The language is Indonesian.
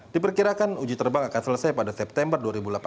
diperkirakan uji terbang akan selesai pada september dua ribu delapan belas